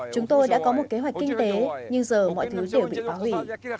chúng tôi đã có một kế hoạch kinh tế nhưng giờ mọi thứ đều bị phá hủy